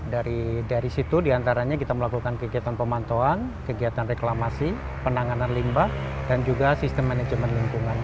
dari situ diantaranya kita melakukan kegiatan pemantauan kegiatan reklamasi penanganan limbah dan juga sistem manajemen lingkungan